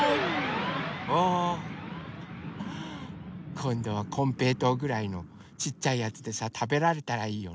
こんどはこんぺいとうぐらいのちっちゃいやつでさたべられたらいいよね。